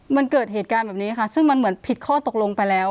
มันเกิดเหตุการณ์แบบนี้ค่ะซึ่งมันเหมือนผิดข้อตกลงไปแล้ว